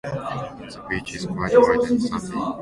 The beach is quite wide and sandy.